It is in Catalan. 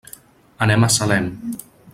Anem a Salem.